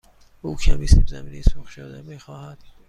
او کمی سیب زمینی سرخ شده می خواهد.